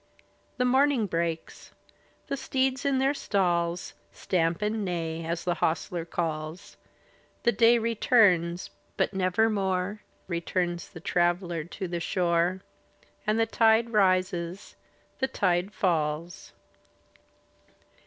The morning breaks; the steeds in their stalls Stamp and neigh, as the hostler calls; The day returns, but nevermore Betums the traveller to the shore. And the tide rises, the tide falls.